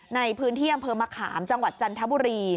ในพื้นที่อำเภอมะขามจังหวัดจันทบุรี